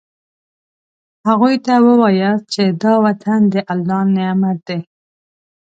هغوی ته ووایاست چې دا وطن د الله نعمت دی.